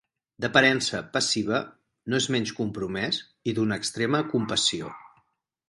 D'aparença passiva, no és menys compromès i d'una extrema compassió.